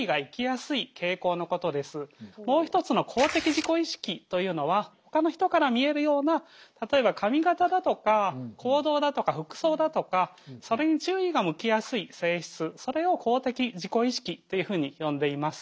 もう一つの公的自己意識というのはほかの人から見えるような例えば髪形だとか行動だとか服装だとかそれに注意が向きやすい性質それを公的自己意識というふうに呼んでいます。